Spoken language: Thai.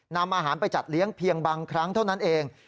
นำอาหารไปจัดเลี้ยงเพียงบางครั้งเท่านั้นเอง